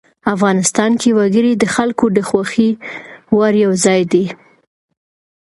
افغانستان کې وګړي د خلکو د خوښې وړ یو ځای دی.